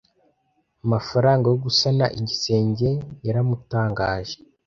Amafaranga yo gusana igisenge yaramutangaje.